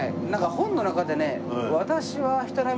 本の中でね。